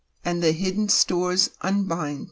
And the hidden stores unbind.